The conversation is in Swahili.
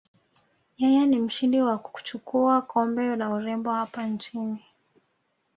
Yeye ni mshindi wa kuchukua kombe la urembo hapa nchini